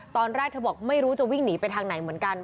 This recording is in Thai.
ตอนแรกเธอบอกไม่รู้จะวิ่งหนีไปทางไหนเหมือนกัน